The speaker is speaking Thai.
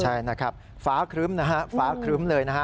ใช่นะครับฟ้าครึ้มนะฮะฟ้าครึ้มเลยนะฮะ